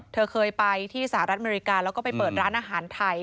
เธอเคยไปที่สหรัฐอเมริกาแล้วก็ไปเปิดร้านอาหารไทย